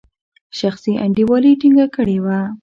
شخصي انډیوالي ټینګه کړې وه.